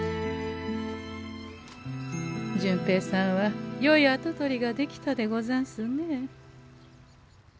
順平さんはよい跡取りができたでござんすねえ。